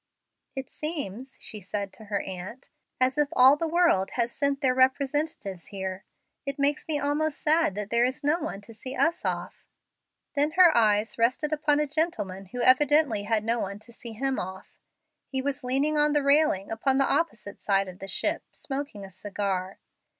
"It seems," she said to her aunt, "as if all the world had sent their representatives here. It makes me almost sad that there is no one to see us off." Then her eye rested upon a gentleman who evidently had no one to see him off. He was leaning on the railing upon the opposite side of the ship, smoking a cigar.